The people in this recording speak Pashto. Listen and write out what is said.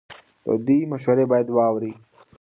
د دوی مشورې باید واورئ.